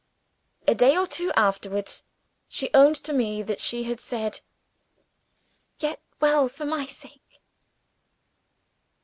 A day or two afterwards, she owned to me that she had said, "Get well, for my sake."